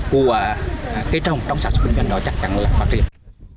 của cái trồng trong sản xuất công doanh đó chắc chắn là phát triển